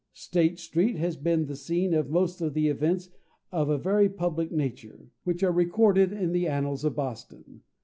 State Street has been the scene of most of the events of a very public nature, which are recorded in the annals of Boston.